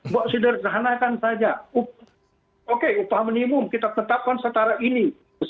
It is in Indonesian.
buat sederhanakan saja oke upah minimum kita tetapkan setara ini